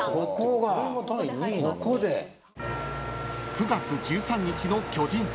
［９月１３日の巨人戦］